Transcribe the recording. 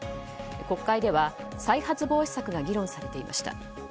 国会では再発防止策が議論されていました。